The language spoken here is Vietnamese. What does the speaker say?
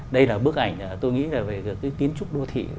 đây là bức ảnh tôi nghĩ là về cái kiến trúc đô thị